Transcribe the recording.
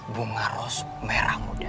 bunga ros merah muda